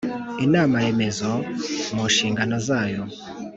Inama remezo mu nshingano zayo